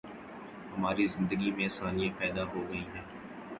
ہماری زندگی میں آسانیاں پیدا ہو گئی ہیں۔